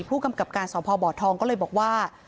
ผู้กำกับการสพบทองก็เลยบอกว่า